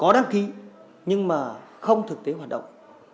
đăng ký nhưng mà không thực tế hoạt động